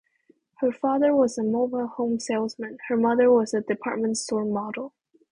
Her father was a mobile-home salesman; her mother was a department-store model.